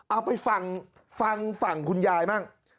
เอาไปฟังฟังฝั่งคุณยายบ้าง